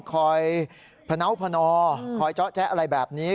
คอยพะน้าวพะนอคอยเจ๊ะอะไรแบบนี้